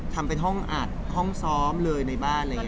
ทำเป็นห้องอัดห้องซ้อมเลยในบ้านอะไรอย่างนี้